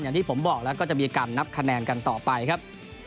อย่างที่ผมบอกแล้วก็จะมีการนับคะแนนกันต่อไปครับ